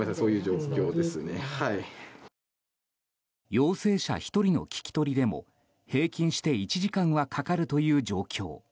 陽性者１人の聞き取りでも平均して１時間はかかるという状況。